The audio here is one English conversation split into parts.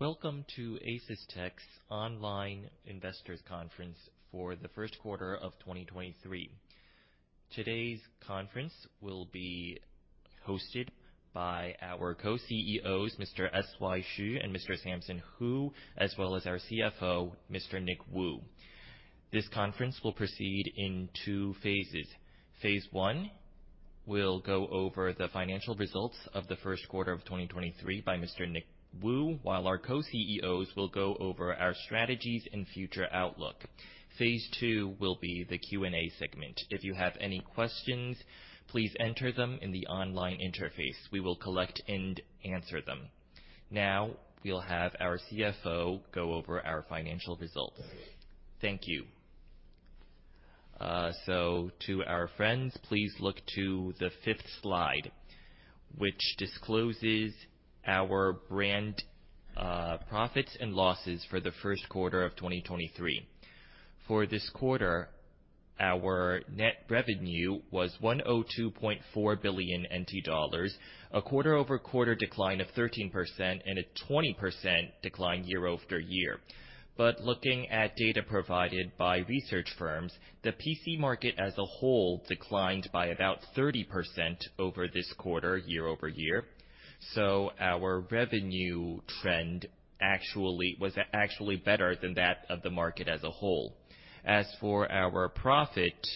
Welcome to ASUS' Online Investors Conference for the First Quarter of 2023. Today's conference will be hosted by our Co-CEOs, Mr. S.Y. Hsu and Mr. Samson Hu, as well as our CFO, Mr. Nick Wu. This conference will proceed in two phases. Phase I will go over the financial results of the first quarter of 2023 by Mr. Nick Wu, while our Co-CEOs will go over our strategies and future outlook. Phase II will be the Q&A segment. If you have any questions, please enter them in the online interface. We will collect and answer them. Now, we'll have our CFO go over our financial results. Thank you. To our friends, please look to the fifth slide, which discloses our brand profits and losses for the first quarter of 2023. For this quarter, our net revenue was 102.4 billion NT dollars, a quarter-over-quarter decline of 13% and a 20% decline year-over-year. Looking at data provided by research firms, the PC market as a whole declined by about 30% over this quarter, year-over-year. Our revenue trend actually was actually better than that of the market as a whole. As for our profit,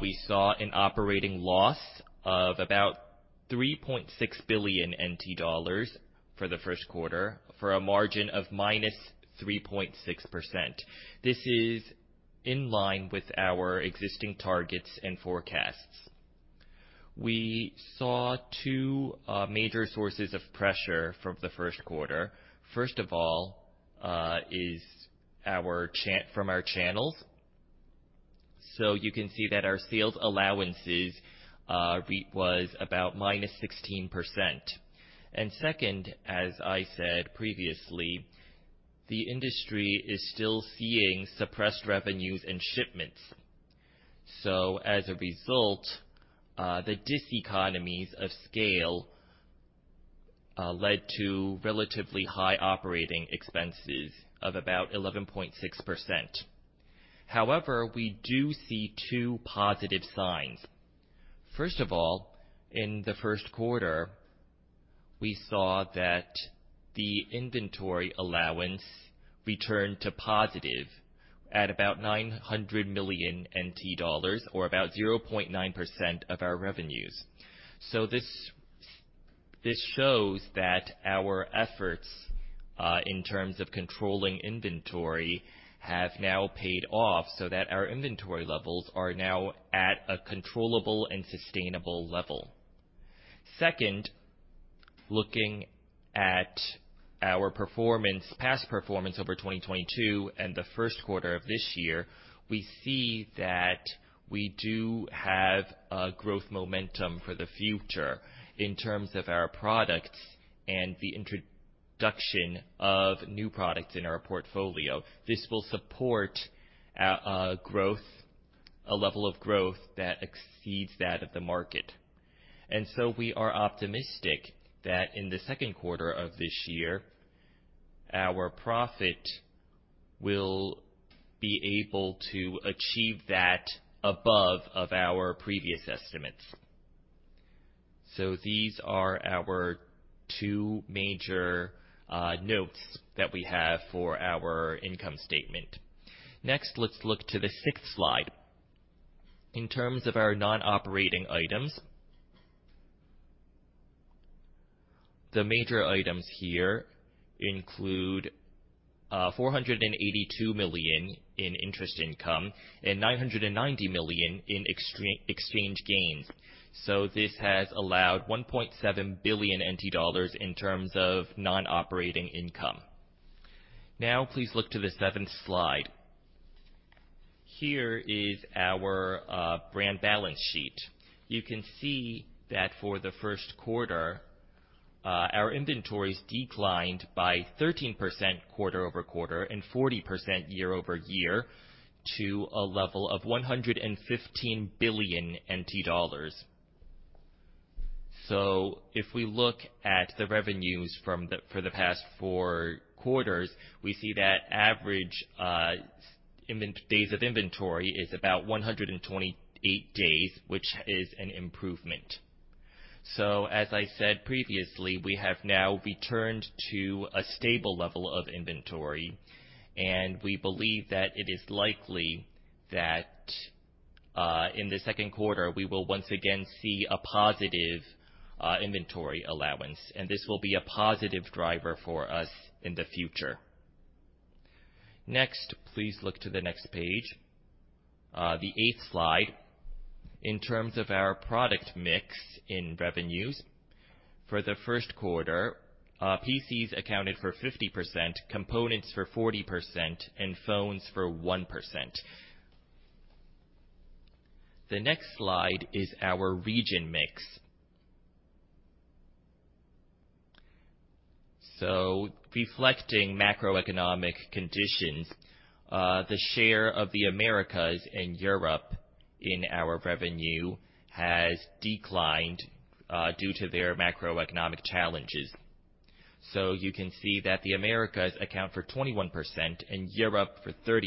we saw an operating loss of about 3.6 billion NT dollars for the first quarter, for a margin of -3.6%. This is in line with our existing targets and forecasts. We saw two major sources of pressure from the first quarter. First of all, is from our channels. You can see that our sales allowances, was about -16%. Second, as I said previously, the industry is still seeing suppressed revenues and shipments. As a result, the diseconomies of scale led to relatively high operating expenses of about 11.6%. However, we do see two positive signs. First of all, in the first quarter, we saw that the inventory allowance returned to positive at about 900 million NT dollars, or about 0.9% of our revenues. This shows that our efforts in terms of controlling inventory have now paid off so that our inventory levels are now at a controllable and sustainable level. Second, looking at our performance, past performance over 2022 and the first quarter of this year, we see that we do have a growth momentum for the future in terms of our products and the introduction of new products in our portfolio. This will support a growth, a level of growth that exceeds that of the market. We are optimistic that in the second quarter of this year, our profit will be able to achieve that above of our previous estimates. These are our two major notes that we have for our income statement. Next, let's look to the sixth slide. In terms of our non-operating items, the major items here include 482 million in interest income and 990 million in exchange gains. This has allowed 1.7 billion NT dollars in terms of non-operating income. Now please look to the seventh slide. Here is our brand balance sheet. You can see that for the first quarter, our inventories declined by 13% quarter-over-quarter and 40% year-over-year to a level of 115 billion NT dollars. If we look at the revenues for the past four quarters, we see that average days of inventory is about 128 days, which is an improvement. As I said previously, we have now returned to a stable level of inventory, and we believe that it is likely that in the second quarter, we will once again see a positive inventory allowance, and this will be a positive driver for us in the future. Next, please look to the next page, the eighth slide. In terms of our product mix in revenues, for the first quarter, PCs accounted for 50%, components for 40%, and phones for 1%. The next slide is our region mix. Reflecting macroeconomic conditions, the share of the Americas and Europe in our revenue has declined due to their macroeconomic challenges. You can see that the Americas account for 21% and Europe for 30%,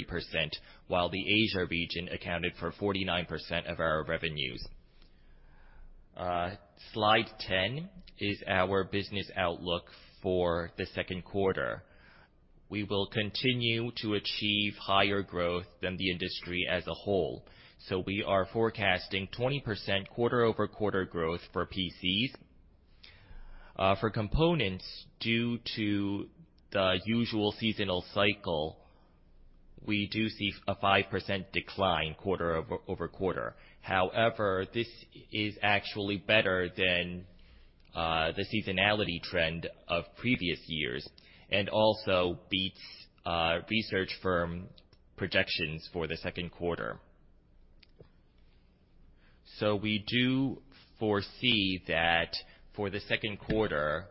while the Asia region accounted for 49% of our revenues. Slide 10 is our business outlook for the second quarter. We will continue to achieve higher growth than the industry as a whole. We are forecasting 20% quarter-over-quarter growth for PCs. For components, due to the usual seasonal cycle, we do see a 5% decline quarter-over-quarter. However, this is actually better than the seasonality trend of previous years, and also beats research firm projections for the second quarter. We do foresee that for the second quarter,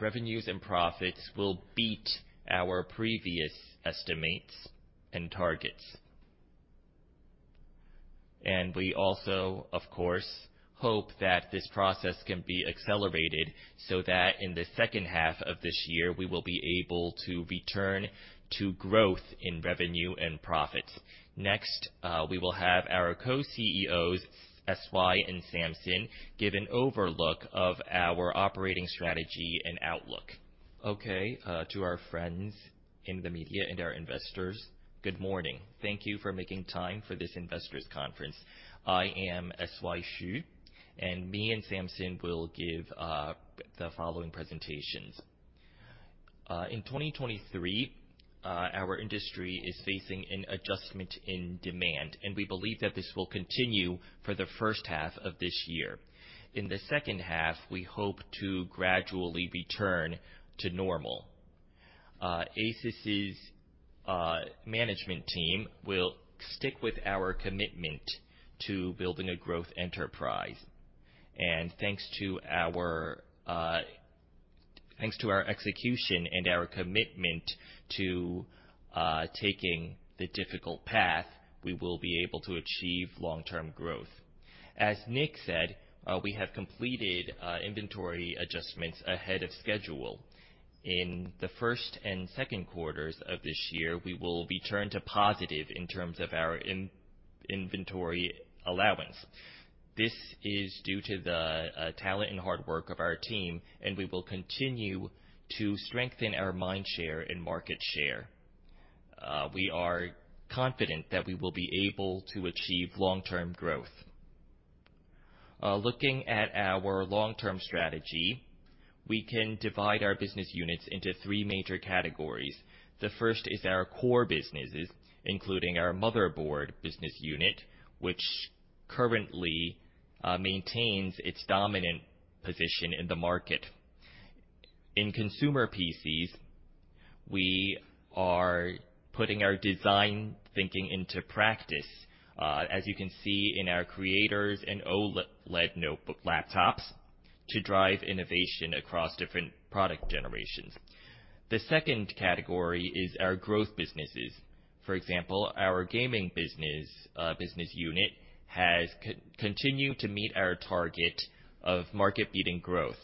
revenues and profits will beat our previous estimates and targets. We also, of course, hope that this process can be accelerated so that in the second half of this year, we will be able to return to growth in revenue and profits. Next, we will have our Co-CEOs, S.Y. and Samson, give an overlook of our operating strategy and outlook. Okay. To our friends in the media and our investors, good morning. Thank you for making time for this investors' conference. I am S.Y. Hsu, and me and Samson will give the following presentations. In 2023, our industry is facing an adjustment in demand, we believe that this will continue for the first half of this year. In the second half, we hope to gradually return to normal. ASUS's management team will stick with our commitment to building a growth enterprise. Thanks to our execution and our commitment to taking the difficult path, we will be able to achieve long-term growth. As Nick said, we have completed inventory adjustments ahead of schedule. In the first and second quarters of this year, we will return to positive in terms of our in-inventory allowance. This is due to the talent and hard work of our team, we will continue to strengthen our mind share and market share. We are confident that we will be able to achieve long-term growth. Looking at our long-term strategy, we can divide our business units into three major categories. The first is our core businesses, including our motherboard business unit, which currently maintains its dominant position in the market. In consumer PCs, we are putting our design thinking into practice, as you can see in our creators and OLED notebook laptops to drive innovation across different product generations. The second category is our growth businesses. For example, our gaming business business unit has continued to meet our target of market-leading growth.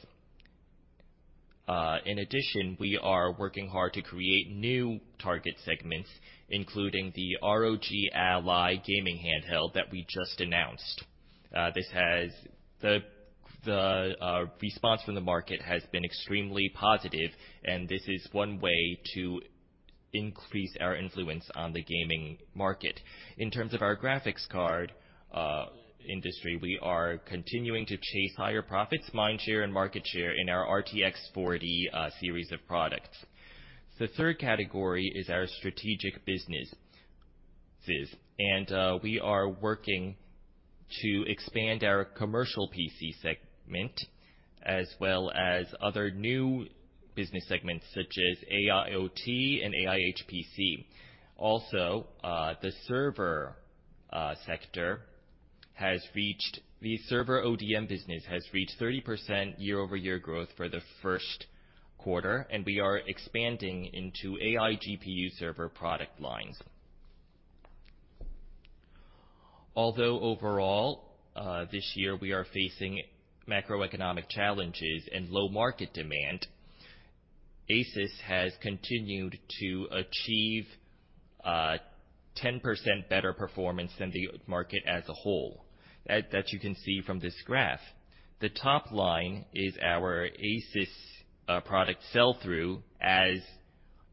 In addition, we are working hard to create new target segments, including the ROG Ally gaming handheld that we just announced. The response from the market has been extremely positive, and this is one way to increase our influence on the gaming market. In terms of our graphics card industry, we are continuing to chase higher profits, mind share, and market share in our RTX 40 series of products. The third category is our strategic businesses. We are working to expand our commercial PC segment as well as other new business segments such as AIOT and AIHPC. The server ODM business has reached 30% year-over-year growth for the first quarter, and we are expanding into AI GPU server product lines. Although overall, this year we are facing macroeconomic challenges and low market demand, ASUS has continued to achieve 10% better performance than the market as a whole. That you can see from this graph. The top line is our ASUS product sell-through as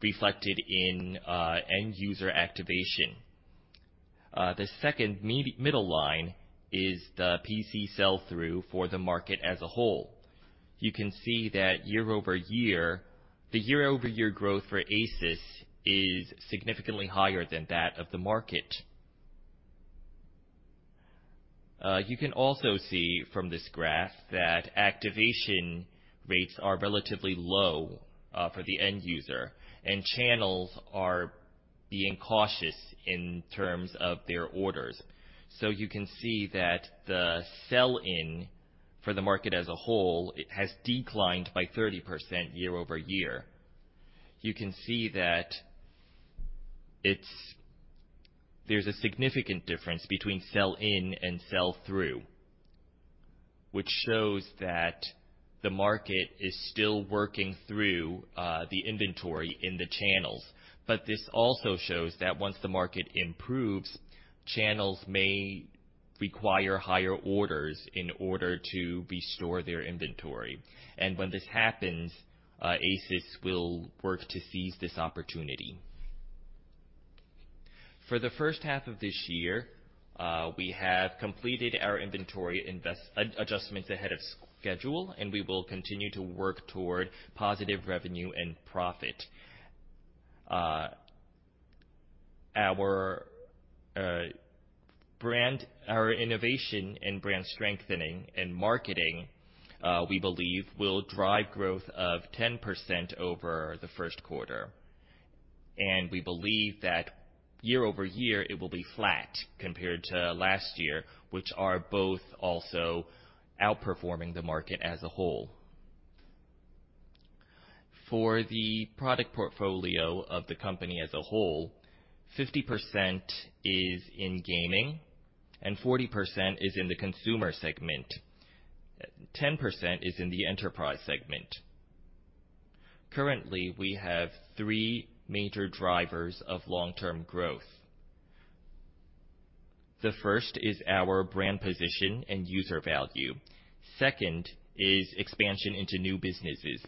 reflected in end user activation. The second middle line is the PC sell-through for the market as a whole. You can see that year-over-year, the year-over-year growth for ASUS is significantly higher than that of the market. You can also see from this graph that activation rates are relatively low for the end user, and channels are being cautious in terms of their orders. You can see that the sell-in for the market as a whole has declined by 30% year-over-year. You can see that there's a significant difference between sell-in and sell-through, which shows that the market is still working through the inventory in the channels. This also shows that once the market improves, channels may require higher orders in order to restore their inventory. When this happens, ASUS will work to seize this opportunity. For the first half of this year, we have completed our inventory adjustments ahead of schedule, and we will continue to work toward positive revenue and profit. Our innovation and brand strengthening and marketing, we believe will drive growth of 10% over the first quarter. We believe that year-over-year it will be flat compared to last year, which are both also outperforming the market as a whole. For the product portfolio of the company as a whole, 50% is in gaming and 40% is in the consumer segment. 10% is in the enterprise segment. Currently, we have three major drivers of long-term growth. The first is our brand position and user value. Second is expansion into new businesses.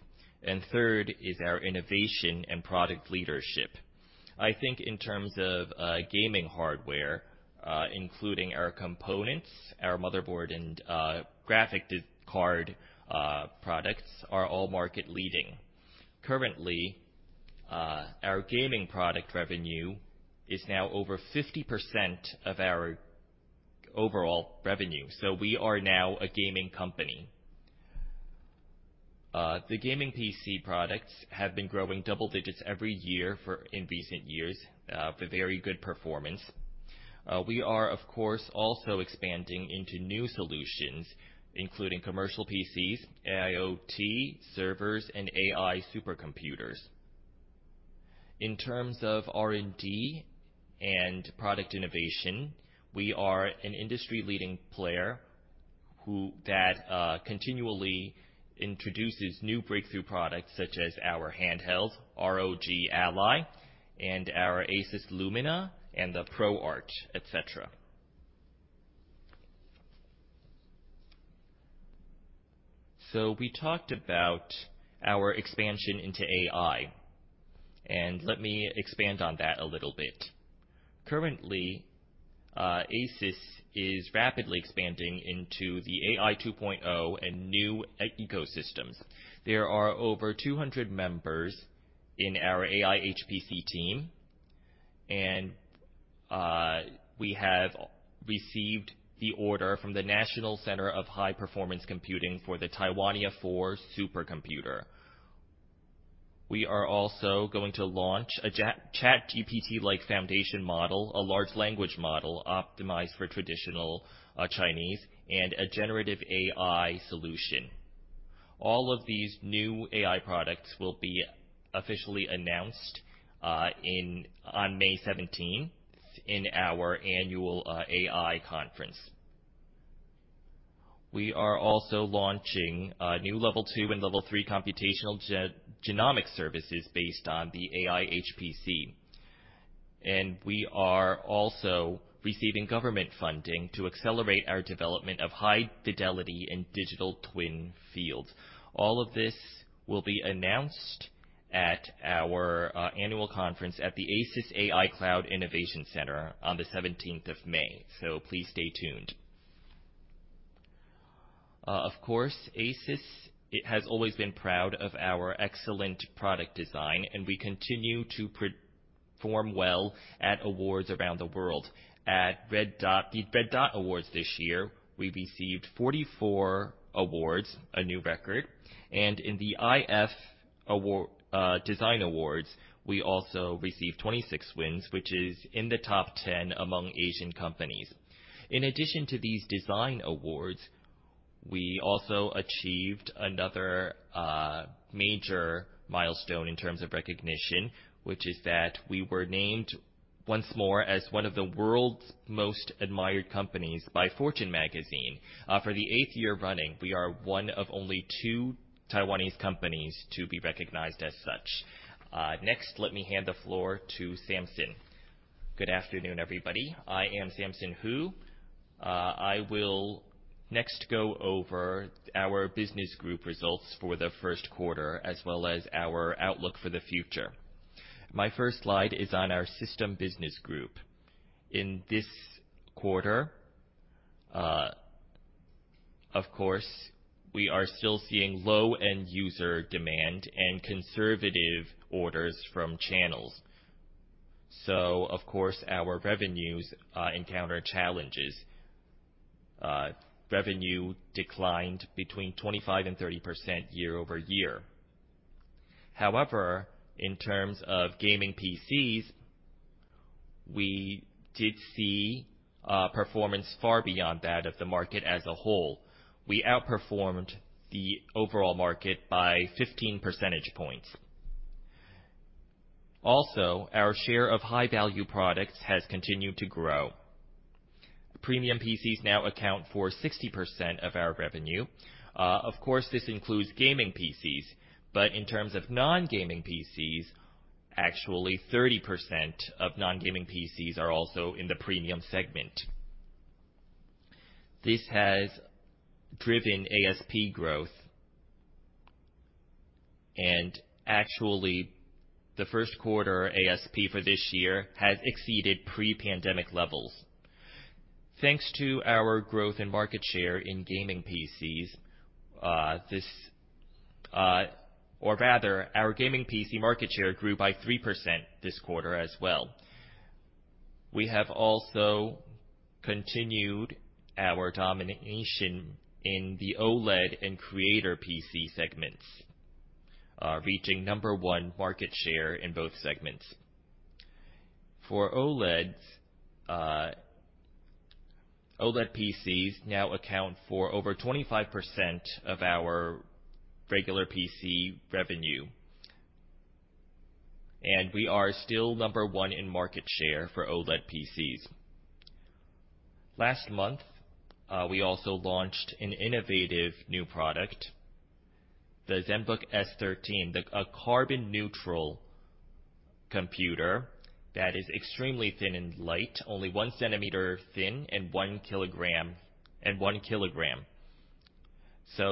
Third is our innovation and product leadership. I think in terms of gaming hardware, including our components, our motherboard and graphic card, products are all market-leading. Currently, our gaming product revenue is now over 50% of our overall revenue, so we are now a gaming company. The gaming PC products have been growing double digits every year in recent years, with very good performance. We are, of course, also expanding into new solutions, including commercial PCs, AIoT, servers, and AI supercomputers. In terms of R&D and product innovation, we are an industry-leading player that continually introduces new breakthrough products such as our handheld, ROG Ally, and our ASUS Lumina and the ProArt, et cetera. We talked about our expansion into AI, and let me expand on that a little bit. Currently, ASUS is rapidly expanding into the AI 2.0 and new ecosystems. There are over 200 members in our AI HPC team, and we have received the order from the National Center for High-Performance Computing for the Taiwania 4 supercomputer. We are also going to launch a ChatGPT-like foundation model, a large language model optimized for traditional Chinese, and a generative AI solution. All of these new AI products will be officially announced on May 17th in our annual AI conference. We are also launching new level two and level three computational genomic services based on the AI HPC. We are also receiving government funding to accelerate our development of high fidelity in digital twin fields. All of this will be announced at our annual conference at the ASUS AI Cloud Innovation Center on the 17th of May. Please stay tuned. Of course, ASUS, it has always been proud of our excellent product design, and we continue to perform well at awards around the world. At Red Dot, the Red Dot Awards this year, we received 44 awards, a new record. In the iF award, Design Awards, we also received 26 wins, which is in the top 10 among Asian companies. In addition to these design awards, we also achieved another major milestone in terms of recognition, which is that we were named once more as one of the world's most admired companies by Fortune Magazine. For the eighth year running, we are one of only two Taiwanese companies to be recognized as such. Let me hand the floor to Samson. Good afternoon, everybody. I am Samson Hu. I will next go over our business group results for the first quarter, as well as our outlook for the future. My first slide is on our system business group. In this quarter, of course, we are still seeing low-end user demand and conservative orders from channels. Of course, our revenues encounter challenges. Revenue declined between 25% and 30% year-over-year. However, in terms of gaming PCs, we did see performance far beyond that of the market as a whole. We outperformed the overall market by 15 percentage points. Our share of high-value products has continued to grow. Premium PCs now account for 60% of our revenue. Of course, this includes gaming PCs, but in terms of non-gaming PCs, actually 30% of non-gaming PCs are also in the premium segment. This has driven ASP growth and actually the first quarter ASP for this year has exceeded pre-pandemic levels. Thanks to our growth in market share in gaming PCs, or rather our gaming PC market share grew by 3% this quarter as well. We have also continued our domination in the OLED and creator PC segments, reaching number one market share in both segments. For OLEDs, OLED PCs now account for over 25% of our regular PC revenue, and we are still number one in market share for OLED PCs. Last month, we also launched an innovative new product, the Zenbook S 13, a carbon-neutral computer that is extremely thin and light, only 1 cm thin and 1 kg.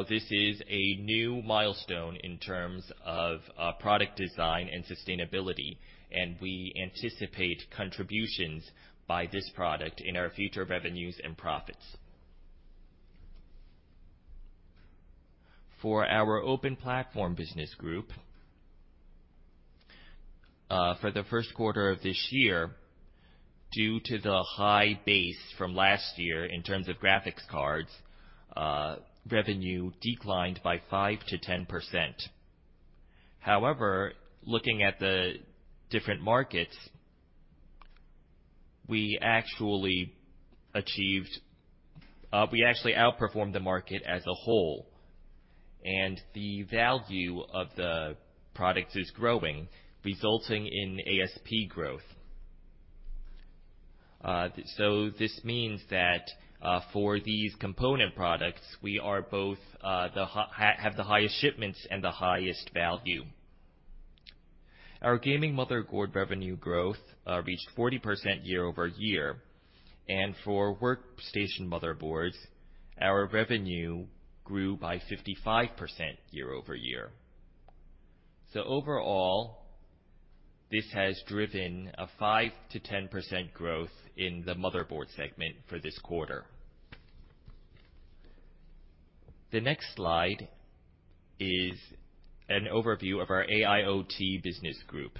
This is a new milestone in terms of product design and sustainability, and we anticipate contributions by this product in our future revenues and profits. For our open platform business group, for the first quarter of this year, due to the high base from last year in terms of graphics cards, revenue declined by 5%-10%. However, looking at the different markets, we actually achieved, we actually outperformed the market as a whole, and the value of the products is growing, resulting in ASP growth. This means that for these component products, we are both the have the highest shipments and the highest value. Our gaming motherboard revenue growth reached 40% year-over-year, and for workstation motherboards, our revenue grew by 55% year-over-year. Overall, this has driven a 5%-10% growth in the motherboard segment for this quarter. The next slide is an overview of our AIoT business group.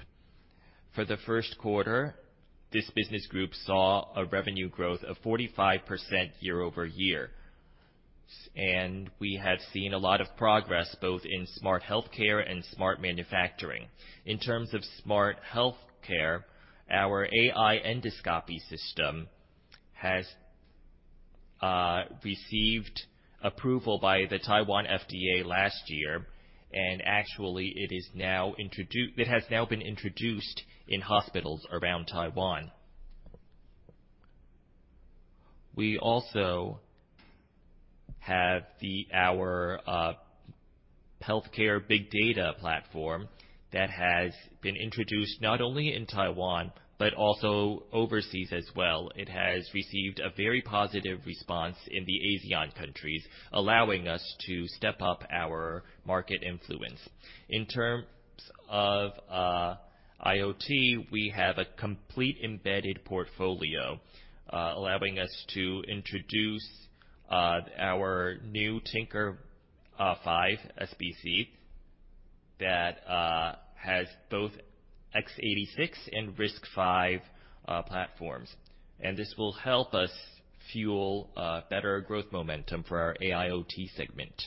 For the first quarter, this business group saw a revenue growth of 45% year-over-year. We have seen a lot of progress both in smart healthcare and smart manufacturing. In terms of smart healthcare, our AI endoscopy system has received approval by the Taiwan FDA last year, actually it has now been introduced in hospitals around Taiwan. We also have our healthcare big data platform that has been introduced not only in Taiwan, but also overseas as well. It has received a very positive response in the ASEAN countries, allowing us to step up our market influence. In terms of IoT, we have a complete embedded portfolio, allowing us to introduce our new Tinker V SBC that has both x86 and RISC-V platforms. This will help us fuel better growth momentum for our AIOT segment.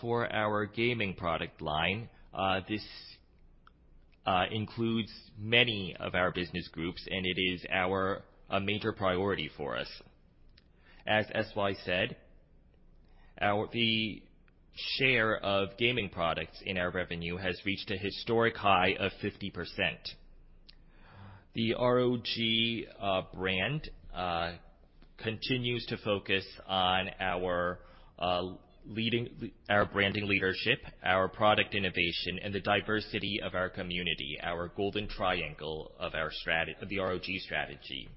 For our gaming product line, this includes many of our business groups, and it is a major priority for us. As S.Y. said, the share of gaming products in our revenue has reached a historic high of 50%. The ROG brand continues to focus on our branding leadership, our product innovation, and the diversity of our community, our golden triangle of the ROG strategy.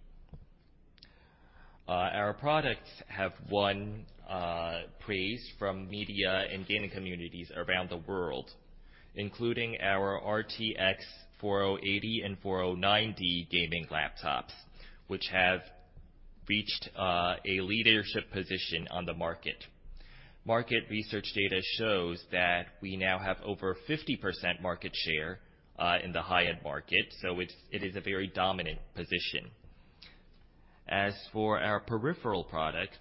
Our products have won praise from media and gaming communities around the world, including our RTX 4080 and 4090 gaming laptops, which have reached a leadership position on the market. Market research data shows that we now have over 50% market share in the high-end market. It is a very dominant position. As for our peripheral products,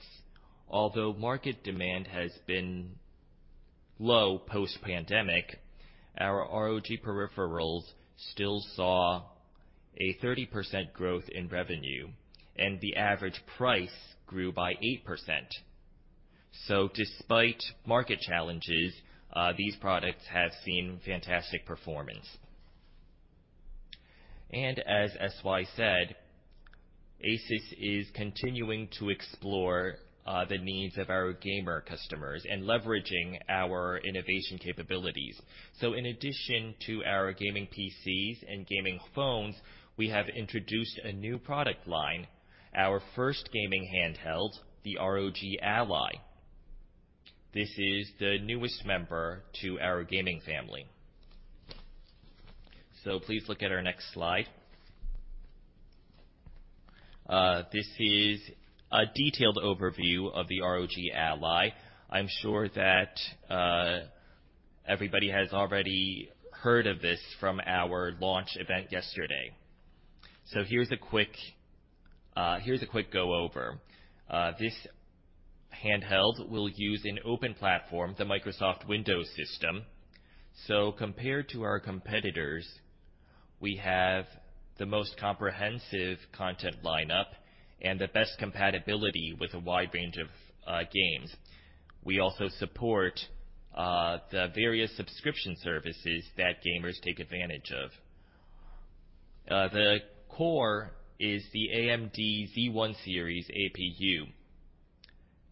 although market demand has been low post-pandemic, our ROG peripherals still saw a 30% growth in revenue, and the average price grew by 8%. Despite market challenges, these products have seen fantastic performance. As S.Y. said, ASUS is continuing to explore the needs of our gamer customers and leveraging our innovation capabilities. In addition to our gaming PCs and gaming phones, we have introduced a new product line, our first gaming handheld, the ROG Ally. This is the newest member to our gaming family. Please look at our next slide. This is a detailed overview of the ROG Ally. I'm sure that everybody has already heard of this from our launch event yesterday. Here's a quick go over. This handheld will use an open platform, the Microsoft Windows system. Compared to our competitors, we have the most comprehensive content lineup and the best compatibility with a wide range of games. We also support the various subscription services that gamers take advantage of. The core is the AMD Z1 series APU.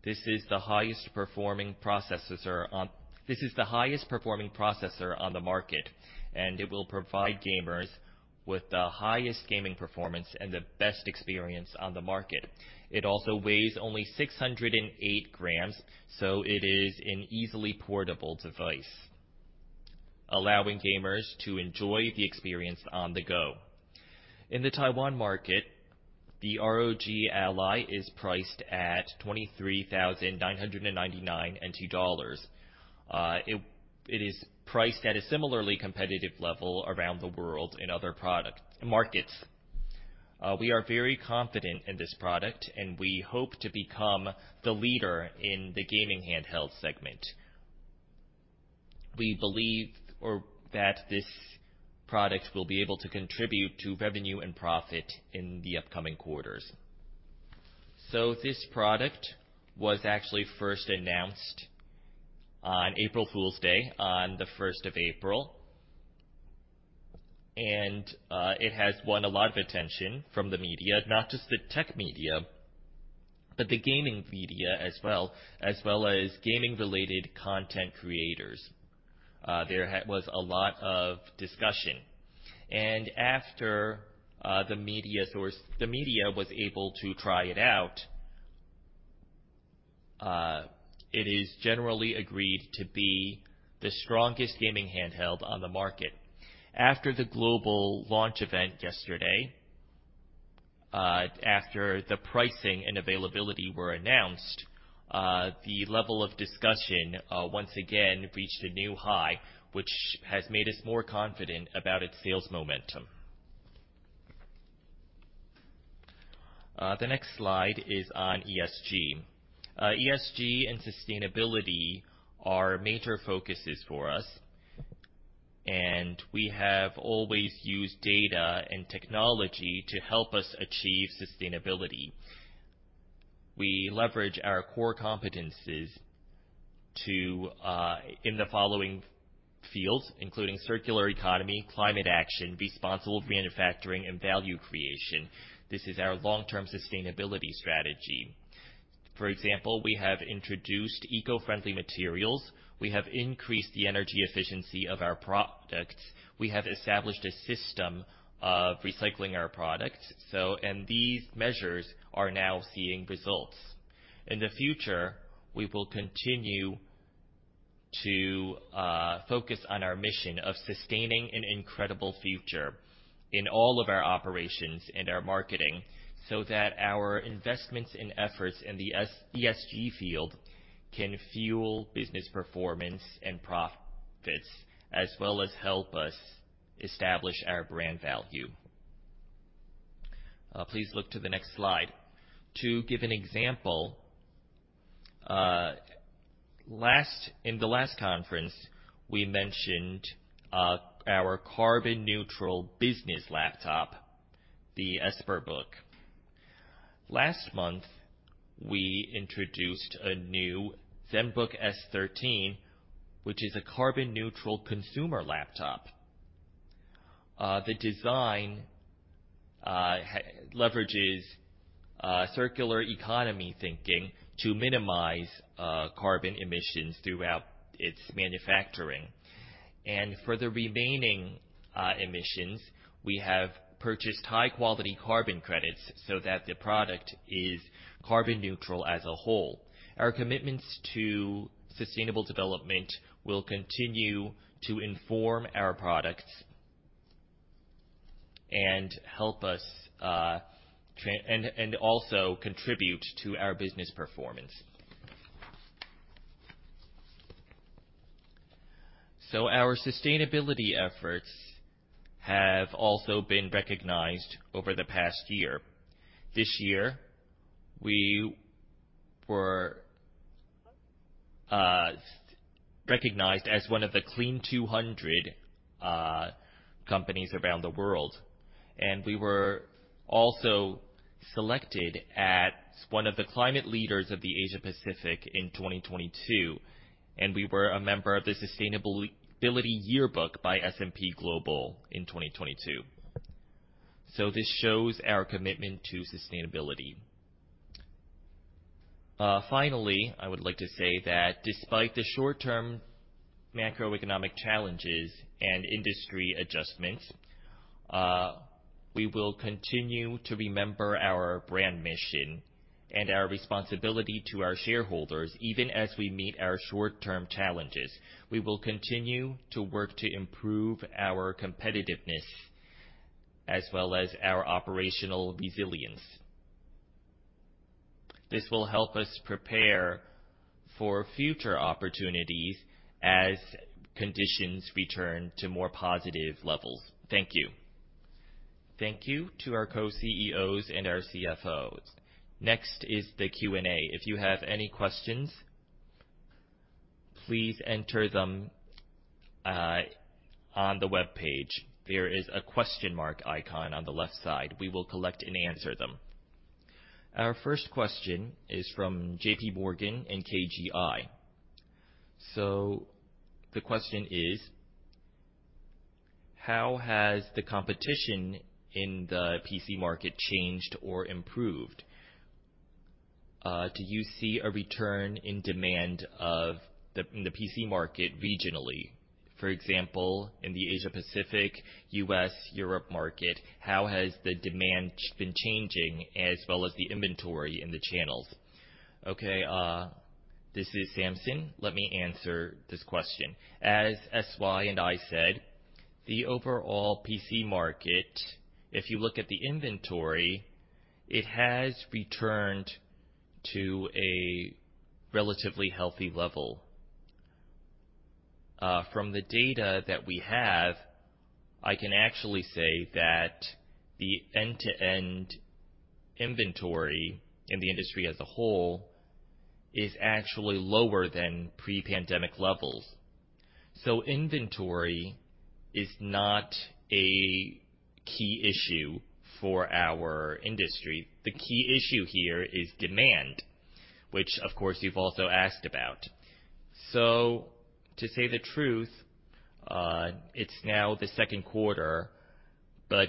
This is the highest performing processor on the market, and it will provide gamers with the highest gaming performance and the best experience on the market. It also weighs only 608 grams, so it is an easily portable device, allowing gamers to enjoy the experience on the go. In the Taiwan market, the ROG Ally is priced at 23,999. It is priced at a similarly competitive level around the world in other markets. We are very confident in this product, and we hope to become the leader in the gaming handheld segment. We believe that this product will be able to contribute to revenue and profit in the upcoming quarters. This product was actually first announced on April Fool's Day, on the first of April. It has won a lot of attention from the media, not just the tech media, but the gaming media as well, as well as gaming-related content creators. There was a lot of discussion. After the media was able to try it out, it is generally agreed to be the strongest gaming handheld on the market. After the global launch event yesterday, after the pricing and availability were announced, the level of discussion once again reached a new high, which has made us more confident about its sales momentum. The next slide is on ESG. ESG and sustainability are major focuses for us, and we have always used data and technology to help us achieve sustainability. We leverage our core competencies to in the following fields, including circular economy, climate action, responsible manufacturing and value creation. This is our long-term sustainability strategy. For example, we have introduced eco-friendly materials. We have increased the energy efficiency of our products. We have established a system of recycling our products. These measures are now seeing results. In the future, we will continue to focus on our mission of sustaining an incredible future in all of our operations and our marketing, so that our investments and efforts in the ESG field can fuel business performance and profits, as well as help us establish our brand value. Please look to the next slide. To give an example, in the last conference, we mentioned our carbon neutral business laptop, the ExpertBook. Last month, we introduced a new Zenbook S 13, which is a carbon neutral consumer laptop. The design leverages circular economy thinking to minimize carbon emissions throughout its manufacturing. For the remaining emissions, we have purchased high-quality carbon credits so that the product is carbon neutral as a whole. Our commitments to sustainable development will continue to inform our products. And help us also contribute to our business performance. Our sustainability efforts have also been recognized over the past year. This year, we were recognized as one of the Clean200 companies around the world, and we were also selected as one of the climate leaders of the Asia Pacific in 2022, and we were a member of the Sustainability Yearbook by S&P Global in 2022. This shows our commitment to sustainability. Finally, I would like to say that despite the short-term macroeconomic challenges and industry adjustments, we will continue to remember our brand mission and our responsibility to our shareholders even as we meet our short-term challenges. We will continue to work to improve our competitiveness as well as our operational resilience. This will help us prepare for future opportunities as conditions return to more positive levels. Thank you. Thank you to our co-CEOs and our CFO. Next is the Q&A. If you have any questions, please enter them on the webpage. There is a question mark icon on the left side. We will collect and answer them. Our first question is from JPMorgan and KGI. The question is: How has the competition in the PC market changed or improved? Do you see a return in demand of the PC market regionally, for example, in the Asia-Pacific, U.S., Europe market? How has the demand been changing as well as the inventory in the channels? This is Samson. Let me answer this question. As S.Y. and I said, the overall PC market, if you look at the inventory, it has returned to a relatively healthy level. From the data that we have, I can actually say that the end-to-end inventory in the industry as a whole is actually lower than pre-pandemic levels. Inventory is not a key issue for our industry. The key issue here is demand, which of course, you've also asked about. To say the truth, it's now the second quarter,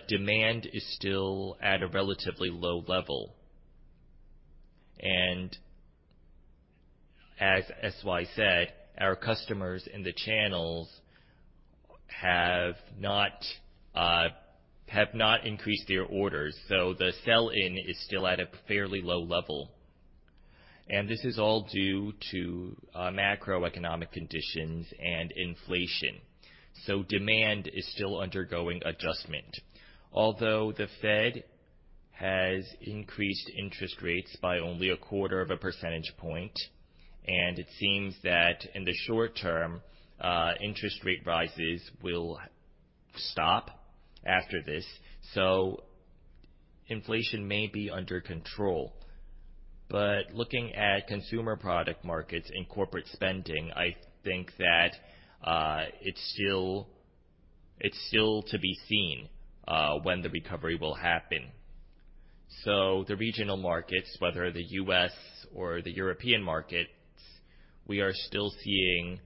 demand is still at a relatively low level. As S.Y. said, our customers in the channels have not increased their orders, so the sell-in is still at a fairly low level. This is all due to macroeconomic conditions and inflation. Demand is still undergoing adjustment. Although the Fed has increased interest rates by only a quarter of a percentage point, and it seems that in the short term, interest rate rises will stop after this, so inflation may be under control. Looking at consumer product markets and corporate spending, I think that it's still to be seen when the recovery will happen. The regional markets, whether the U.S. or the European markets, we are still seeing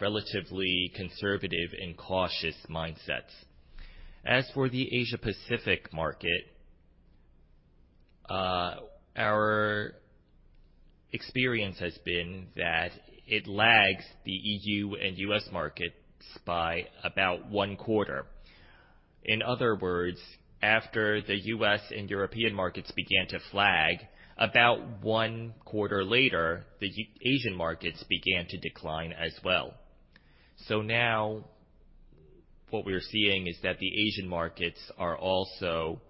relatively conservative and cautious mindsets. As for the Asia-Pacific market, our experience has been that it lags the EU and U.S. markets by about one quarter. In other words, after the U.S. and European markets began to flag, about one quarter later, Asian markets began to decline as well. Now what we're seeing is that the Asian markets are also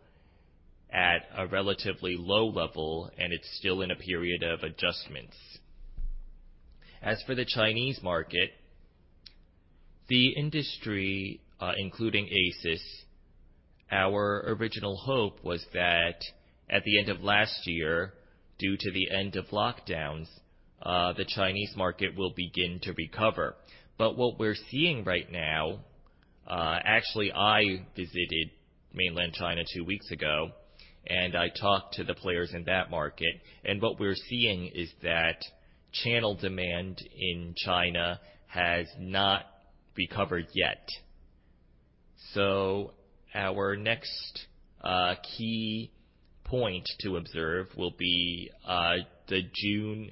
at a relatively low level, and it's still in a period of adjustments. As for the Chinese market, the industry, including ASUS, our original hope was that at the end of last year, due to the end of lockdowns, the Chinese market will begin to recover. What we're seeing right now, actually, I visited mainland China two weeks ago, and I talked to the players in that market, and what we're seeing is that channel demand in China has not recovered yet. Our next key point to observe will be the June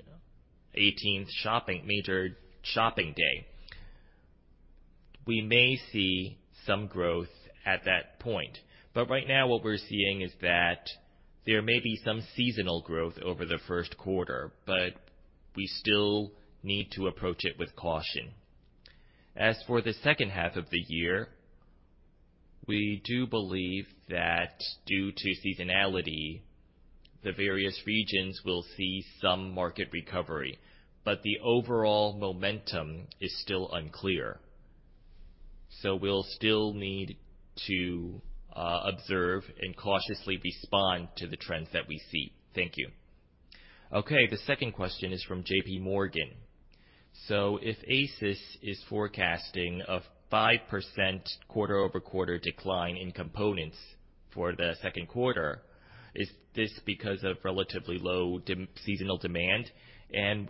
18th shopping, major shopping day. We may see some growth at that point, but right now what we're seeing is that there may be some seasonal growth over the first quarter, but we still need to approach it with caution. As for the second half of the year, we do believe that due to seasonality, the various regions will see some market recovery, but the overall momentum is still unclear. We'll still need to observe and cautiously respond to the trends that we see. Thank you. Okay. The second question is from JPMorgan. If ASUS is forecasting a 5% quarter-over-quarter decline in components for the second quarter, is this because of relatively low seasonal demand?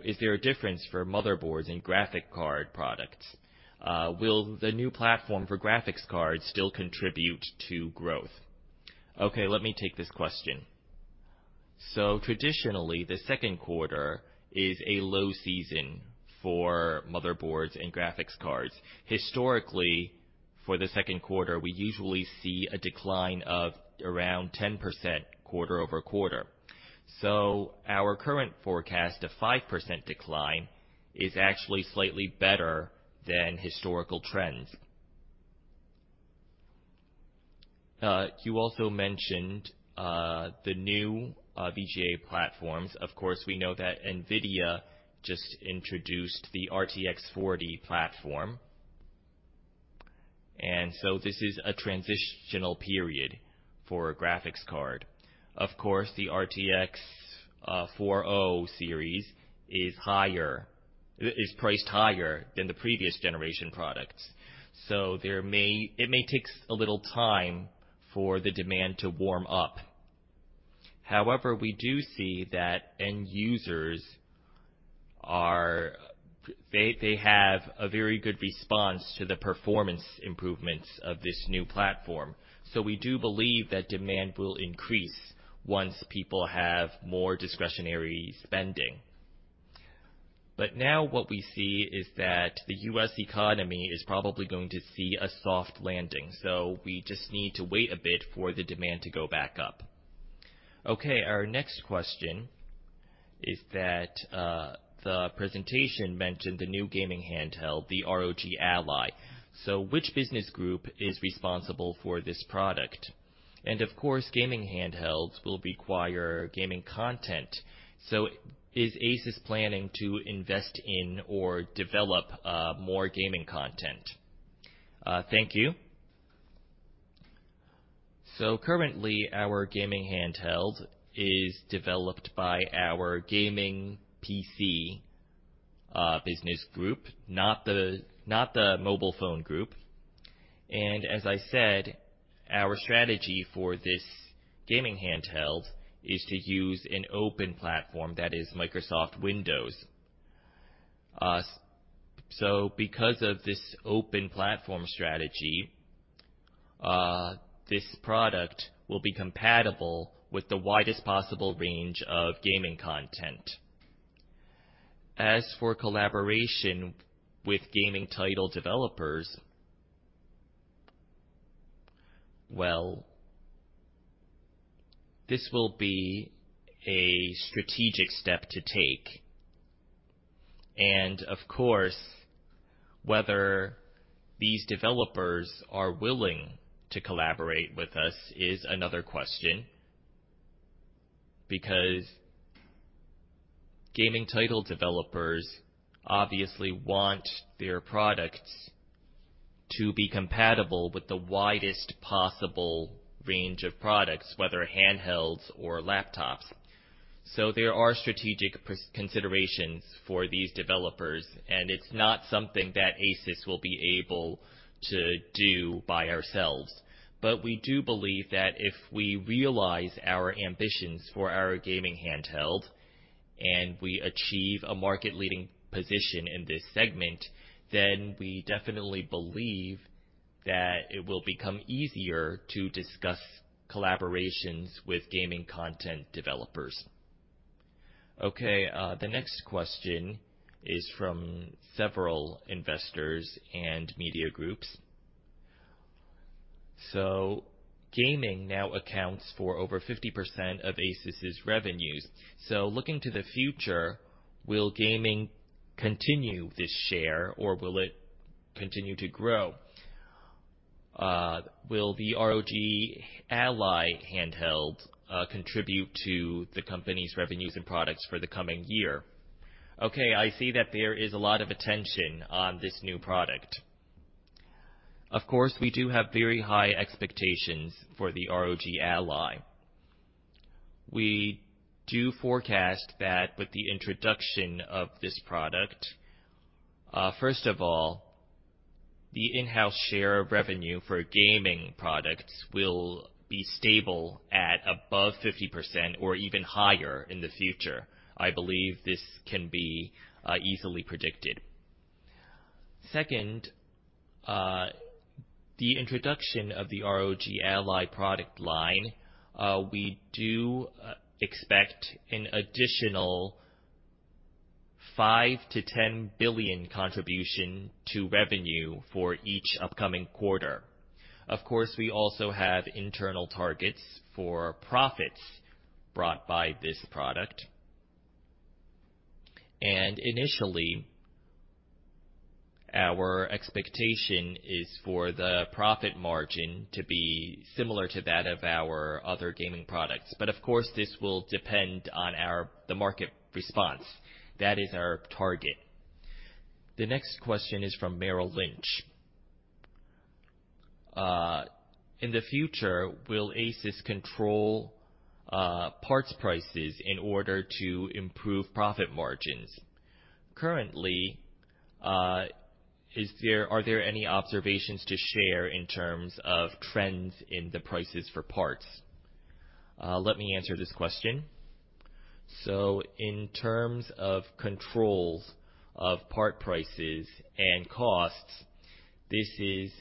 Is there a difference for motherboards and graphic card products? Will the new platform for graphics cards still contribute to growth? Okay, let me take this question. Traditionally, the second quarter is a low season for motherboards and graphics cards. Historically, for the second quarter, we usually see a decline of around 10% quarter-over-quarter. Our current forecast, a 5% decline, is actually slightly better than historical trends. You also mentioned the new VGA platforms. Of course, we know that NVIDIA just introduced the RTX 40 platform. This is a transitional period for a graphics card. Of course, the RTX 40 series is priced higher than the previous generation products. It may take a little time for the demand to warm up. However, we do see that end users have a very good response to the performance improvements of this new platform. We do believe that demand will increase once people have more discretionary spending. Now what we see is that the U.S. economy is probably going to see a soft landing, so we just need to wait a bit for the demand to go back up. Our next question is that, the presentation mentioned the new gaming handheld, the ROG Ally. So which business group is responsible for this product? And of course, gaming handhelds will require gaming content. So is ASUS planning to invest in or develop more gaming content? Thank you. So currently, our gaming handheld is developed by our gaming PC business group, not the mobile phone group. As I said, our strategy for this gaming handheld is to use an open platform that is Microsoft Windows. So because of this open platform strategy, this product will be compatible with the widest possible range of gaming content. Collaboration with gaming title developers, well, this will be a strategic step to take. Of course, whether these developers are willing to collaborate with us is another question, because gaming title developers obviously want their products to be compatible with the widest possible range of products, whether handhelds or laptops. There are strategic considerations for these developers, and it's not something that ASUS will be able to do by ourselves. We do believe that if we realize our ambitions for our gaming handheld, and we achieve a market-leading position in this segment, then we definitely believe that it will become easier to discuss collaborations with gaming content developers. Okay, the next question is from several investors and media groups. Gaming now accounts for over 50% of ASUS' revenues. Looking to the future, will gaming continue this share or will it continue to grow? Will the ROG Ally handheld contribute to the company's revenues and products for the coming year? I see that there is a lot of attention on this new product. Of course, we do have very high expectations for the ROG Ally. We do forecast that with the introduction of this product, first of all, the in-house share of revenue for gaming products will be stable at above 50% or even higher in the future. I believe this can be easily predicted. Second, the introduction of the ROG Ally product line, we do expect an additional 5 billion-10 billion contribution to revenue for each upcoming quarter. Of course, we also have internal targets for profits brought by this product. Initially, our expectation is for the profit margin to be similar to that of our other gaming products. Of course, this will depend on the market response. That is our target. The next question is from Merrill Lynch. In the future, will ASUS control parts prices in order to improve profit margins? Currently, are there any observations to share in terms of trends in the prices for parts? Let me answer this question. In terms of controls of part prices and costs, this is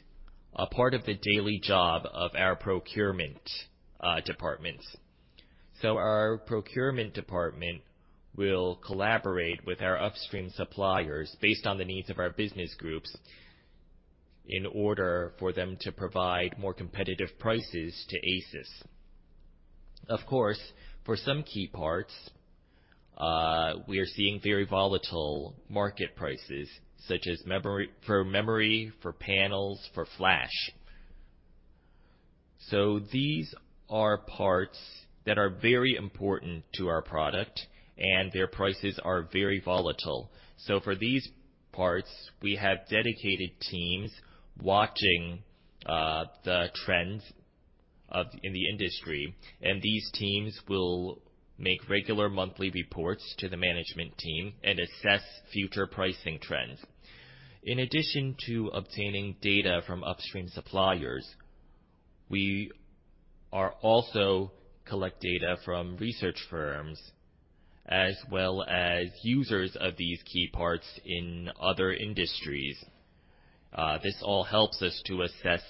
a part of the daily job of our procurement departments. Our procurement department will collaborate with our upstream suppliers based on the needs of our business groups in order for them to provide more competitive prices to ASUS. Of course, for some key parts, we are seeing very volatile market prices, such as for memory, for panels, for flash. These are parts that are very important to our product, and their prices are very volatile. For these parts, we have dedicated teams watching the trends in the industry, and these teams will make regular monthly reports to the management team and assess future pricing trends. In addition to obtaining data from upstream suppliers, we are also collect data from research firms as well as users of these key parts in other industries. This all helps us to assess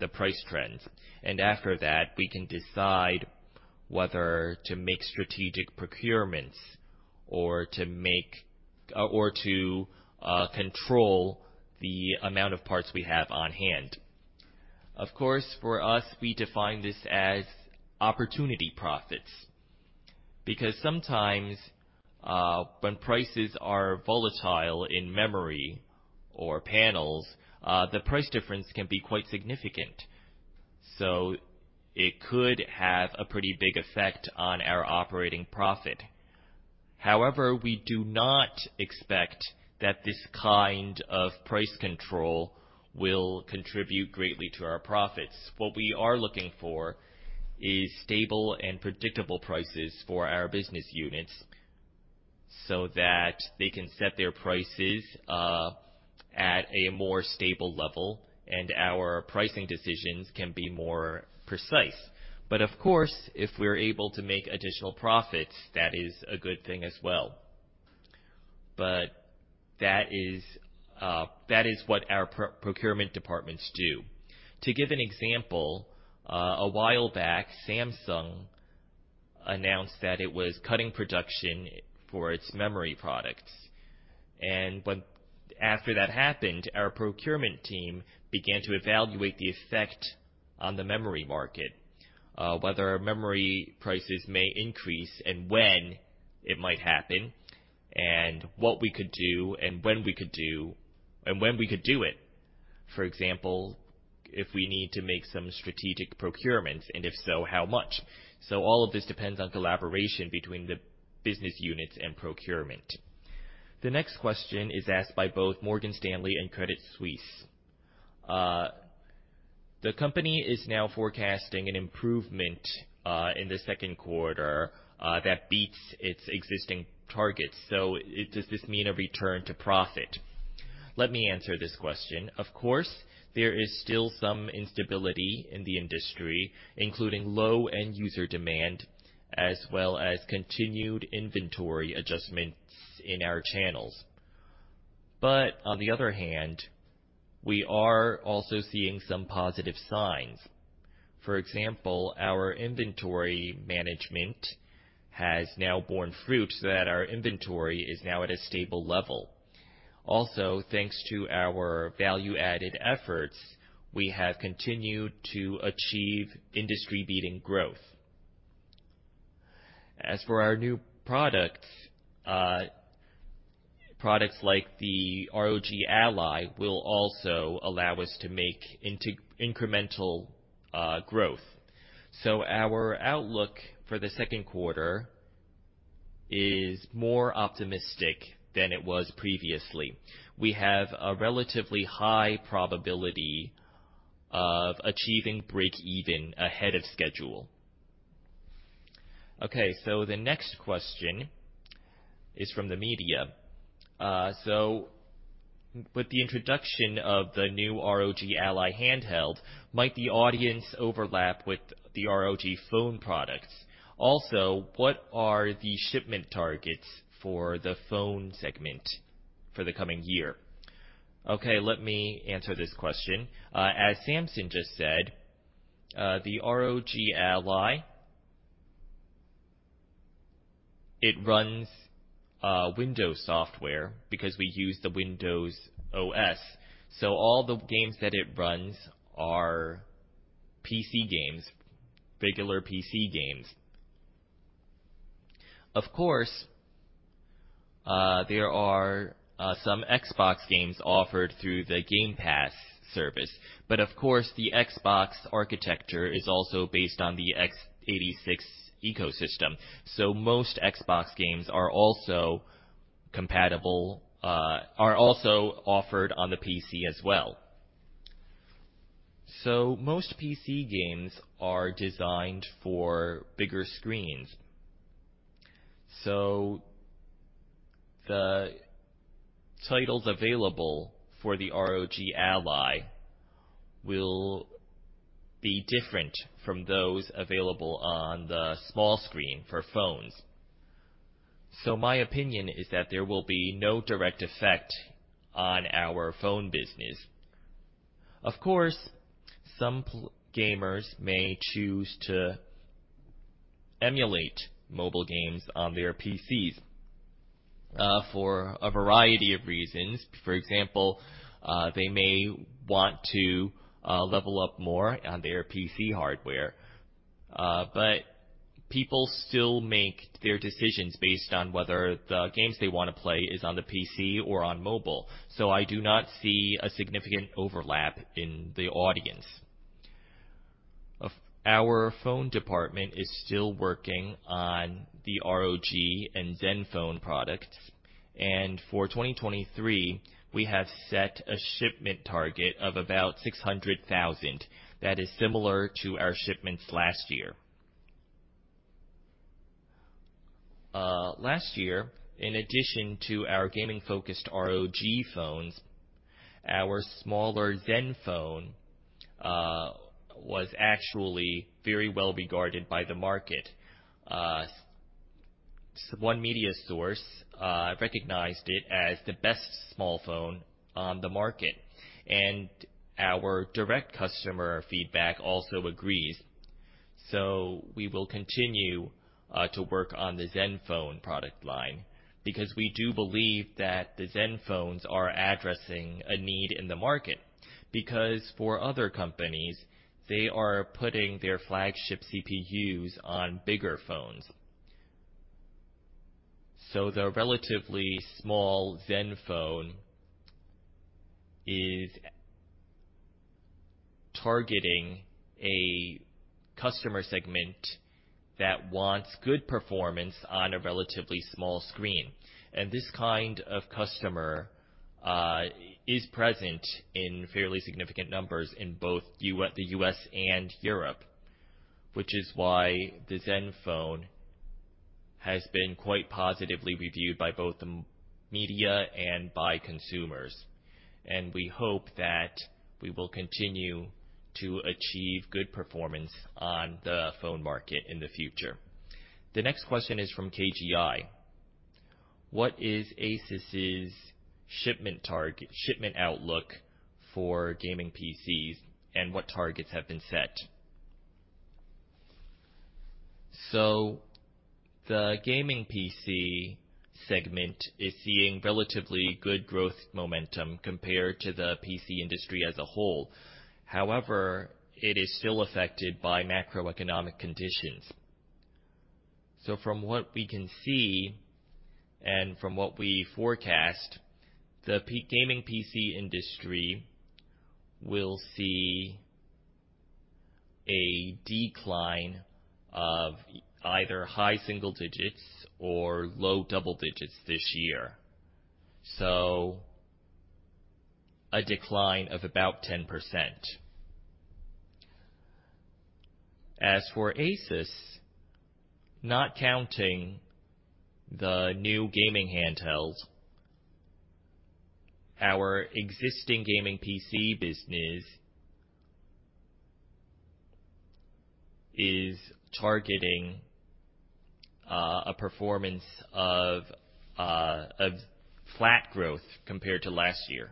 the price trends, and after that, we can decide whether to make strategic procurements or to make, or to control the amount of parts we have on hand. For us, we define this as opportunity profits, because sometimes, when prices are volatile in memory or panels, the price difference can be quite significant, so it could have a pretty big effect on our operating profit. We do not expect that this kind of price control will contribute greatly to our profits. What we are looking for is stable and predictable prices for our business units so that they can set their prices, at a more stable level, and our pricing decisions can be more precise. Of course, if we're able to make additional profits, that is a good thing as well. That is, that is what our procurement departments do. To give an example, a while back, Samsung announced that it was cutting production for its memory products. After that happened, our procurement team began to evaluate the effect on the memory market, whether memory prices may increase and when it might happen, and what we could do and when we could do it. For example, if we need to make some strategic procurements, and if so, how much? All of this depends on collaboration between the business units and procurement. The next question is asked by both Morgan Stanley and Credit Suisse. The company is now forecasting an improvement in the second quarter that beats its existing targets. Does this mean a return to profit? Let me answer this question. Of course, there is still some instability in the industry, including low end user demand, as well as continued inventory adjustments in our channels. On the other hand, we are also seeing some positive signs. For example, our inventory management has now borne fruit so that our inventory is now at a stable level. Also, thanks to our value-added efforts, we have continued to achieve industry-leading growth. As for our new products like the ROG Ally will also allow us to make incremental growth. Our outlook for the second quarter is more optimistic than it was previously. We have a relatively high probability of achieving break even ahead of schedule. The next question is from the media. With the introduction of the new ROG Ally handheld, might the audience overlap with the ROG Phone products? Also, what are the shipment targets for the phone segment for the coming year? Let me answer this question. As Samson just said, the ROG Ally. It runs Windows software because we use the Windows OS. All the games that it runs are PC games, regular PC games. Of course, there are some Xbox games offered through the Game Pass service. Of course, the Xbox architecture is also based on the x86 ecosystem, so most Xbox games are also compatible, are also offered on the PC as well. Most PC games are designed for bigger screens. The titles available for the ROG Ally will be different from those available on the small screen for phones. My opinion is that there will be no direct effect on our phone business. Of course, some gamers may choose to emulate mobile games on their PCs for a variety of reasons. For example, they may want to level up more on their PC hardware. People still make their decisions based on whether the games they wanna play is on the PC or on mobile. I do not see a significant overlap in the audience. Our phone department is still working on the ROG and Zenfone products, and for 2023, we have set a shipment target of about 600,000. That is similar to our shipments last year. Last year, in addition to our gaming-focused ROG phones, our smaller Zenfone was actually very well-regarded by the market. One media source recognized it as the best small phone on the market, and our direct customer feedback also agrees. We will continue to work on the Zenfone product line because we do believe that the Zenfones are addressing a need in the market. Because for other companies, they are putting their flagship CPUs on bigger phones. The relatively small Zenfone is targeting a customer segment that wants good performance on a relatively small screen. This kind of customer is present in fairly significant numbers in both the U.S. and Europe, which is why the Zenfone has been quite positively reviewed by both the media and by consumers. We hope that we will continue to achieve good performance on the phone market in the future. The next question is from KGI. What is ASUS's shipment outlook for gaming PCs, and what targets have been set? The gaming PC segment is seeing relatively good growth momentum compared to the PC industry as a whole. However, it is still affected by macroeconomic conditions. From what we can see and from what we forecast, the gaming PC industry will see a decline of either high single digits or low double digits this year, so a decline of about 10%. As for ASUS, not counting the new gaming handhelds, our existing gaming PC business is targeting a performance of flat growth compared to last year.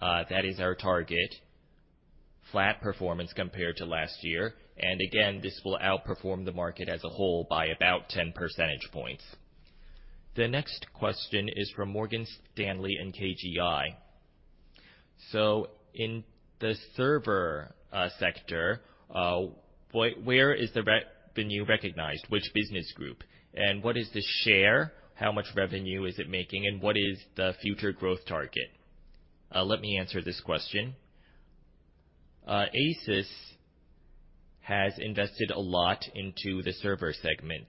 That is our target, flat performance compared to last year. Again, this will outperform the market as a whole by about 10 percentage points. The next question is from Morgan Stanley and KGI. In the server sector, where is the new recognized, which business group, and what is the share? How much revenue is it making, and what is the future growth target? Let me answer this question. ASUS has invested a lot into the server segment.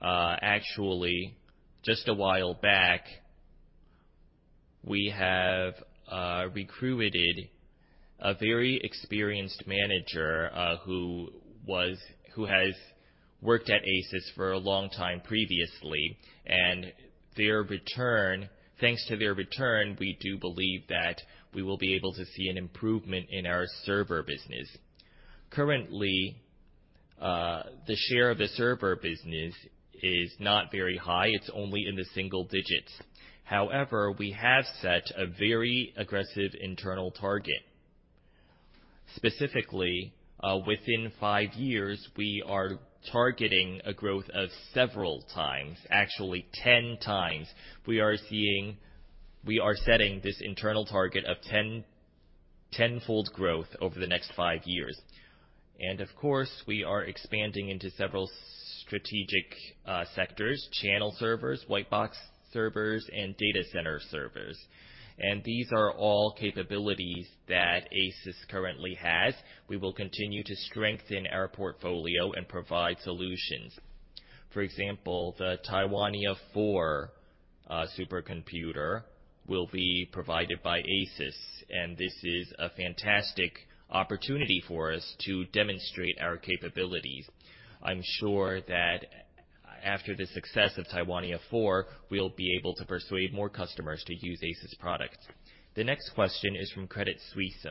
Actually, just a while back, we have recruited a very experienced manager who has worked at ASUS for a long time previously. Their return, thanks to their return, we do believe that we will be able to see an improvement in our server business. Currently, the share of the server business is not very high. It's only in the single digits. However, we have set a very aggressive internal target. Specifically, within five years, we are targeting a growth of several times, actually 10x. We are seeing... We are setting this internal target of 10-fold growth over the next five years. Of course, we are expanding into several strategic sectors, channel servers, white box servers, and data center servers. These are all capabilities that ASUS currently has. We will continue to strengthen our portfolio and provide solutions. For example, the Taiwania 4 supercomputer will be provided by ASUS, and this is a fantastic opportunity for us to demonstrate our capabilities. I'm sure that after the success of Taiwania 4, we'll be able to persuade more customers to use ASUS products. The next question is from Credit Suisse.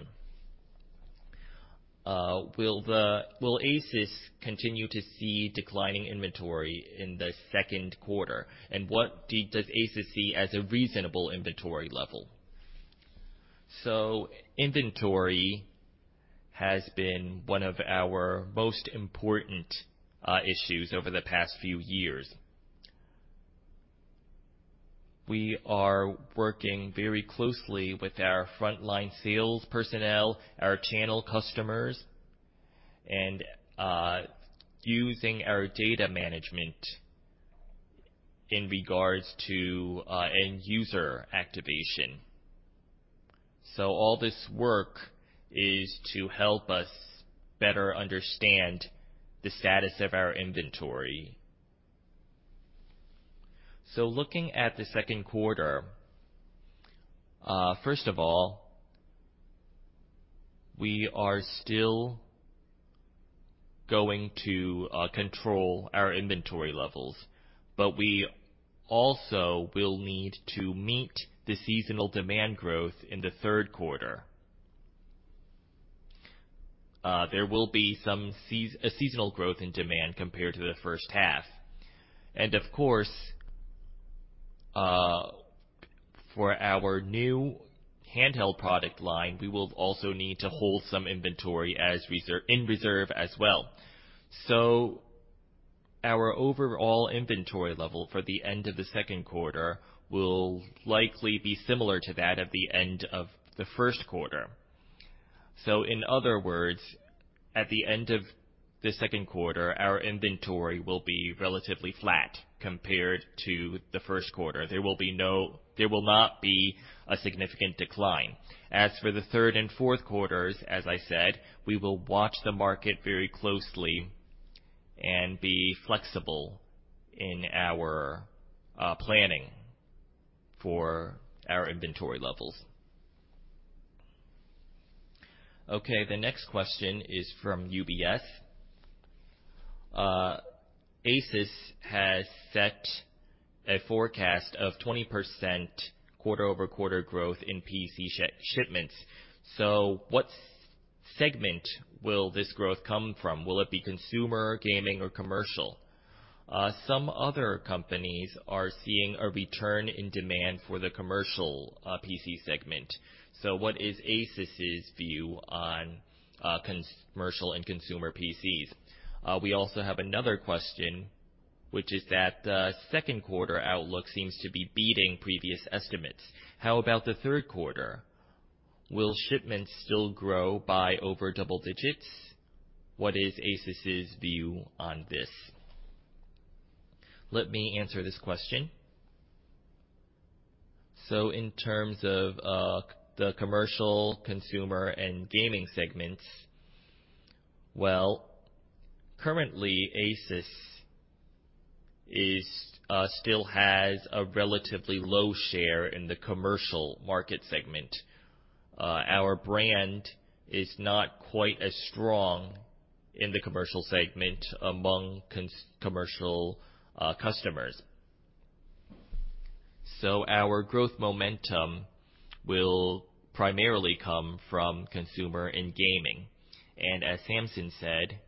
Will ASUS continue to see declining inventory in the second quarter? What does ASUS see as a reasonable inventory level? Inventory has been one of our most important issues over the past few years. We are working very closely with our frontline sales personnel, our channel customers, and using our data management in regards to end user activation. All this work is to help us better understand the status of our inventory. Looking at the 2Q, first of all, we are still going to control our inventory levels, but we also will need to meet the seasonal demand growth in the 3Q. There will be a seasonal growth in demand compared to the first half. Of course, for our new handheld product line, we will also need to hold some inventory in reserve as well. Our overall inventory level for the end of the 2Q will likely be similar to that at the end of the 1Q. In other words, at the end of the second quarter, our inventory will be relatively flat compared to the first quarter. There will not be a significant decline. As for the third and fourth quarters, as I said, we will watch the market very closely and be flexible in our planning for our inventory levels. The next question is from UBS. ASUS has set a forecast of 20% quarter-over-quarter growth in PC shipments. What segment will this growth come from? Will it be consumer, gaming, or commercial? Some other companies are seeing a return in demand for the commercial PC segment. What is ASUS's view on commercial and consumer PCs? We also have another question, which is that the second quarter outlook seems to be beating previous estimates. How about the third quarter? Will shipments still grow by over double digits? What is ASUS's view on this? Let me answer this question. In terms of the commercial, consumer, and gaming segments, well, currently, ASUS is still has a relatively low share in the commercial market segment. Our brand is not quite as strong in the commercial segment among commercial customers. Our growth momentum will primarily come from consumer and gaming. As Samson said,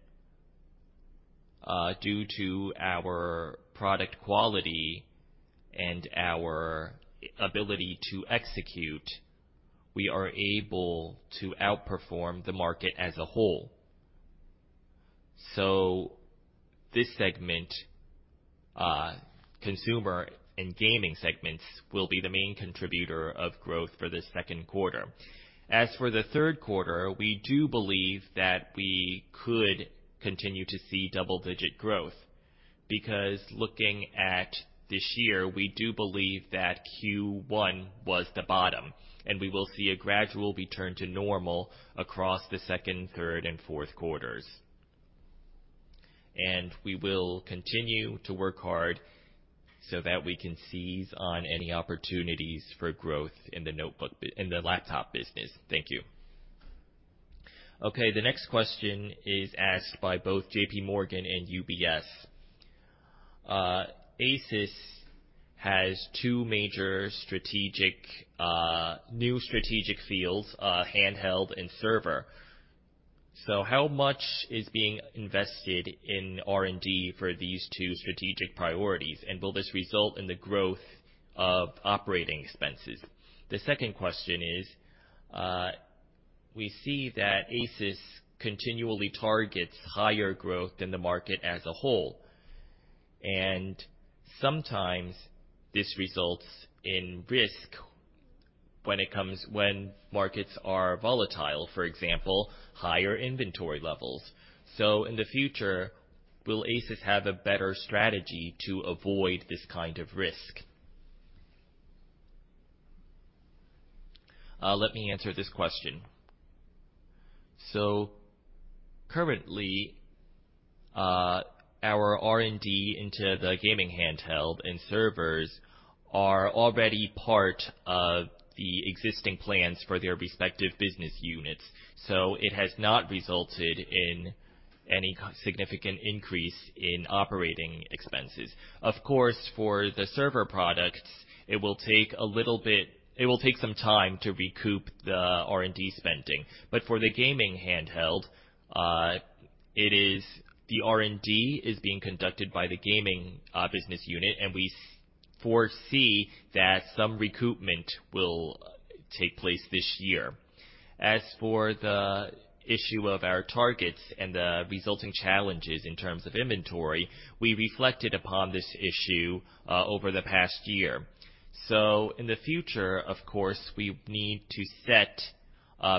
due to our product quality and our ability to execute, we are able to outperform the market as a whole. This segment, consumer and gaming segments, will be the main contributor of growth for the second quarter. As for the third quarter, we do believe that we could continue to see double-digit growth, because looking at this year, we do believe that Q1 was the bottom, and we will see a gradual return to normal across the second, third, and fourth quarters. We will continue to work hard so that we can seize on any opportunities for growth in the laptop business. Thank you. Okay, the next question is asked by both JPMorgan and UBS. ASUS has two major strategic new strategic fields, handheld and server. So how much is being invested in R&D for these two strategic priorities? Will this result in the growth of operating expenses? The second question is, we see that ASUS continually targets higher growth than the market as a whole. Sometimes this results in risk when it comes... When markets are volatile, for example, higher inventory levels. In the future, will ASUS have a better strategy to avoid this kind of risk? Let me answer this question. Currently, our R&D into the gaming handheld and servers are already part of the existing plans for their respective business units. It has not resulted in any significant increase in operating expenses. Of course, for the server products, it will take some time to recoup the R&D spending. For the gaming handheld, the R&D is being conducted by the gaming business unit, and we foresee that some recoupment will take place this year. As for the issue of our targets and the resulting challenges in terms of inventory, we reflected upon this issue over the past year. In the future, of course, we need to set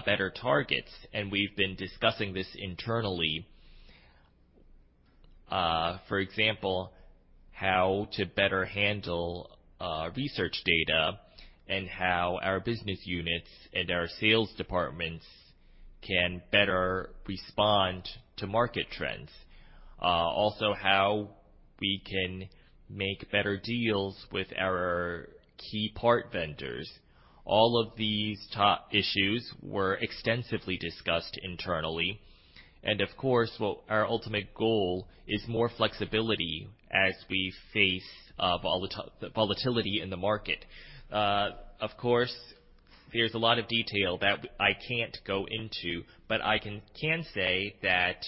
better targets. We've been discussing this internally. For example, how to better handle research data and how our business units and our sales departments can better respond to market trends. Also how we can make better deals with our key part vendors. All of these issues were extensively discussed internally. Of course, well, our ultimate goal is more flexibility as we face volatility in the market. Of course, there's a lot of detail that I can't go into, but I can say that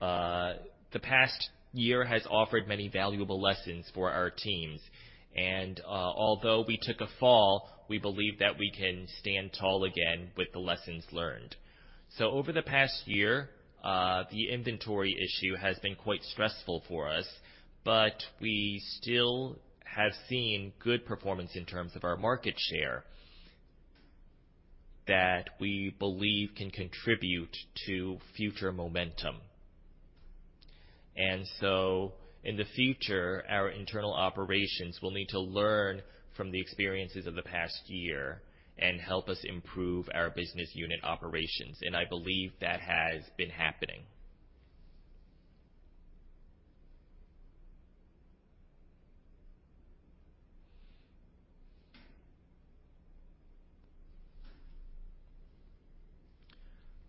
the past year has offered many valuable lessons for our teams. Although we took a fall, we believe that we can stand tall again with the lessons learned. Over the past year, the inventory issue has been quite stressful for us, but we still have seen good performance in terms of our market share that we believe can contribute to future momentum. In the future, our internal operations will need to learn from the experiences of the past year and help us improve our business unit operations. I believe that has been happening.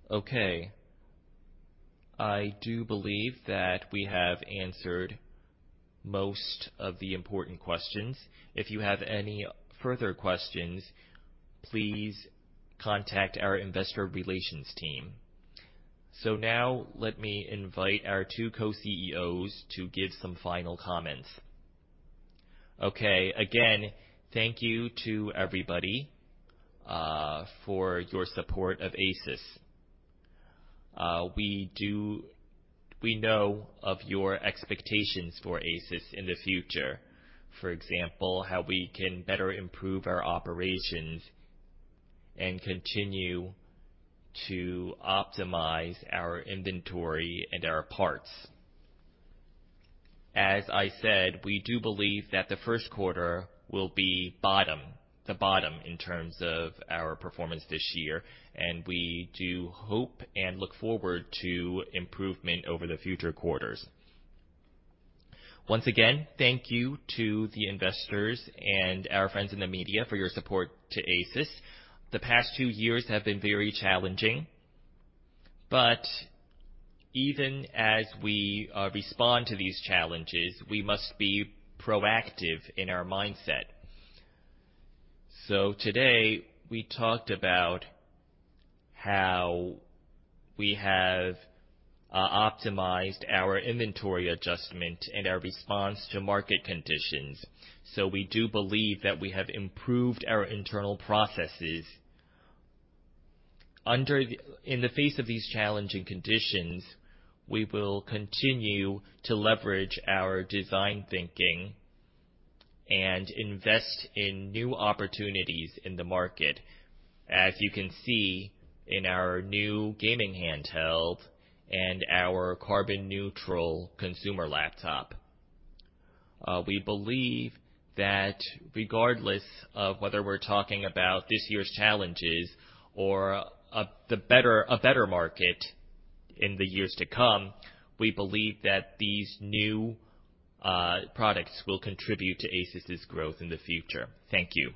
Okay. I do believe that we have answered most of the important questions. If you have any further questions, please contact our Investor Relations team. Now let me invite our two Co-CEOs to give some final comments. Okay. Again, thank you to everybody for your support of ASUS. We know of your expectations for ASUS in the future. For example, how we can better improve our operations and continue to optimize our inventory and our parts. As I said, we do believe that the first quarter will be the bottom in terms of our performance this year, and we do hope and look forward to improvement over the future quarters. Once again, thank you to the investors and our friends in the media for your support to ASUS. The past two years have been very challenging. Even as we respond to these challenges, we must be proactive in our mindset. Today, we talked about how we have optimized our inventory adjustment and our response to market conditions. We do believe that we have improved our internal processes. In the face of these challenging conditions, we will continue to leverage our design thinking and invest in new opportunities in the market, as you can see in our new gaming handheld and our carbon neutral consumer laptop. We believe that regardless of whether we're talking about this year's challenges or a better market in the years to come, we believe that these new products will contribute to ASUS's growth in the future. Thank you.